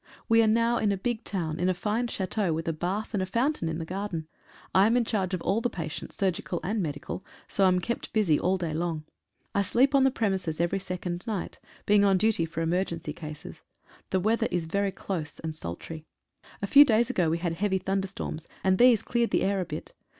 We are now in a big town, in a fine chateau, with a bath and a fountain in the garden. I am in charge of all the patients, surgical and medical, so am kept busy all day long. I sleep on the premises every second night, being on duty for emergency cases. The weather is very close and sultry. A few days ago we had heavy thunderstorms, and these cleared the air a bit.